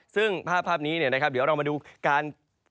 ซึ่งภาพนี้เนี่ยนะครับเดี๋ยวเรามาดูการ